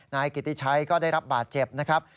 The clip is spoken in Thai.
นายกิติชัยก็ได้รับบาดเจ็บนะครับ